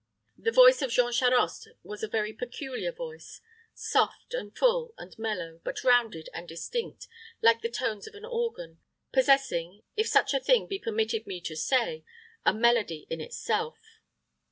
The voice of Jean Charost was a very peculiar voice soft, and full, and mellow, but rounded and distinct, like the tones of an organ, possessing if such a thing be permitted me to say a melody in itself.